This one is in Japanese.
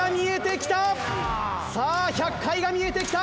さあ１００回が見えてきた！